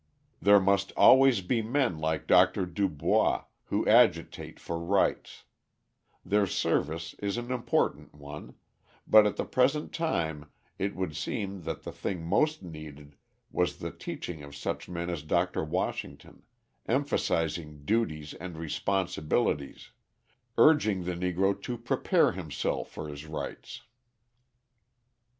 There must always be men like Dr. DuBois who agitate for rights; their service is an important one, but at the present time it would seem that the thing most needed was the teaching of such men as Dr. Washington, emphasising duties and responsibilities, urging the Negro to prepare himself for his rights.